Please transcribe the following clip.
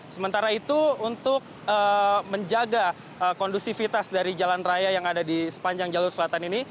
sementara itu untuk menjaga kondusivitas dari jalan raya yang ada di sepanjang jalur selatan ini